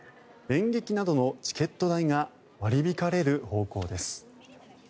演劇などのチケット代が割り引かれる方向です。